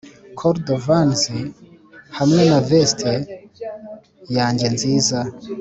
cordovans hamwe na veste yanjye nziza